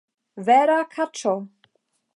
Vera kaĉo!